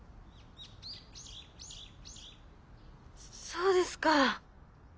そうですか。